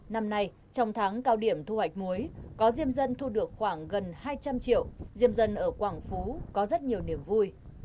năm nay trong tháng cao điểm thu hoạch muối có diêm dân thu được khoảng gần hai trăm linh triệu diêm dân ở quảng phú có rất nhiều niềm vui